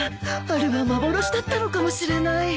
あれは幻だったのかもしれない。